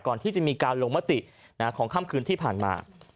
ก่อนที่จะมีการลงมติของค่ำคืนที่ผ่านมา